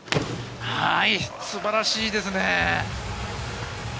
素晴らしいですね。